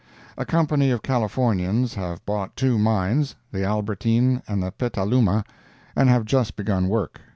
A Company of Californians have bought two mines—the Albertin and Petaluma—and have just begun work.